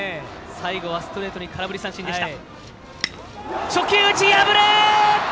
最後はストレートで空振り三振でした。